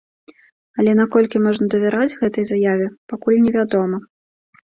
Але наколькі можна давяраць гэтай заяве, пакуль невядома.